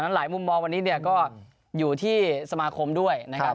หลายมุมมองวันนี้ก็อยู่ที่สมาคมด้วยนะครับ